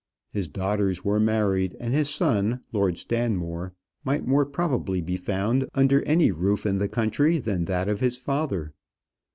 His daughters were married, and his son, Lord Stanmore, might more probably be found under any roof in the country than that of his father.